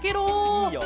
いいよ。